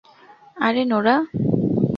আরে, নোরা?